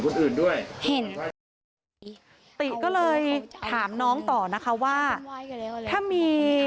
คนอื่นด้วยเห็นติก็เลยถามน้องต่อนะคะว่าถ้ามี